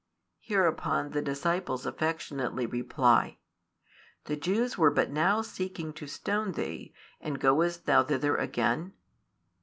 Hereupon the disciples affectionately reply: The Jews were but now seeking to stone Thee; and goest Thou thither again?